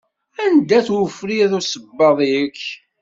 Anda-t ufriḍ usebbaḍ-ik?